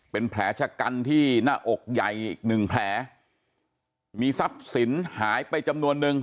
เป็นแผลชะกันที่หน้าอกใหญ่อีกหนึ่งแผลมีทรัพย์สินหายไปจำนวนนึง